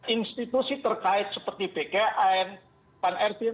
institusi terkait seperti bkn pan rb